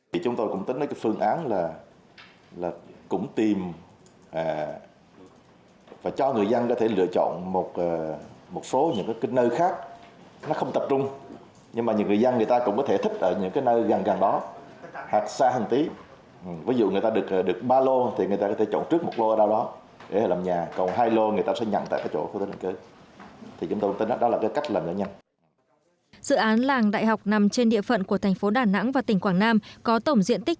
dự án làng đại học nằm trên địa phận của thành phố đà nẵng và tỉnh quảng nam có tổng diện tích